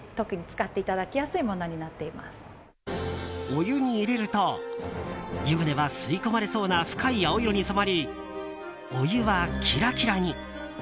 お湯に入れると湯船は吸い込まれそうな深い青色に染まりお湯はキラキラに。